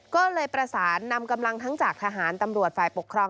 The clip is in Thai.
ก็เลยประสานนำกำลังทั้งจากทหารตำรวจฝ่ายปกครอง